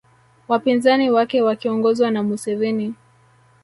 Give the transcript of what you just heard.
Wapinzani wake wakiongozwa na Museveni